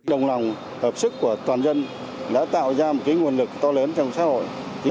đồng lòng hợp sức của toàn dân đã tạo ra một nguồn lực to lớn trong xã hội